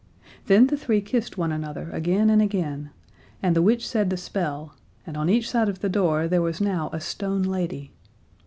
Then the three kissed one another again and again, and the witch said the spell, and on each side of the door there was now a stone lady.